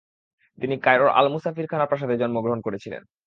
তিনি কায়রোর Al Musafir Khana প্রাসাদে জন্মগ্রহণ করেছিলেন।